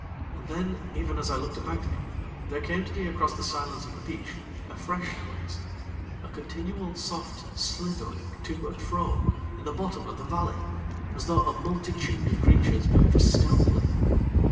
And then, even as I looked about me, there came to me across the silence of the beach a fresh noise, a continual soft slithering to and fro in the bottom of the valley, as though a multitude of creatures moved stealthily.